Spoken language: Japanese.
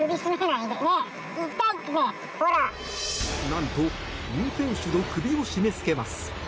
なんと運転手の首を絞めつけます。